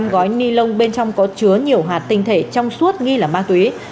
năm gói ni lông bên trong có chứa nhiều hạt tinh thể trong suốt nghi là ma túy